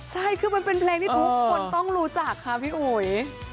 ใช่คือมันเป็นเพลงที่ทุกคนต้องรู้จักค่ะพี่อุ๋ย